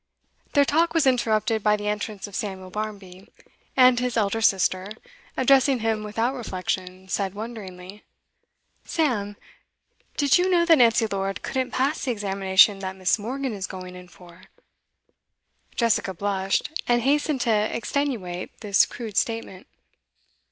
Their talk was interrupted by the entrance of Samuel Barmby, and his elder sister, addressing him without reflection, said wonderingly: 'Sam, did you know that Nancy Lord couldn't pass the examination that Miss. Morgan is going in for?' Jessica blushed, and hastened to extenuate this crude statement.